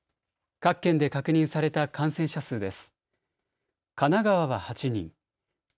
各県で確認された感染者数です。